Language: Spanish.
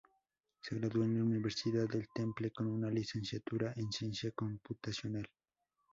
Se graduó de la Universidad del Temple con una licenciatura en ciencia computacional.